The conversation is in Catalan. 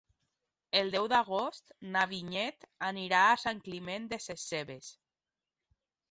El deu d'agost na Vinyet anirà a Sant Climent Sescebes.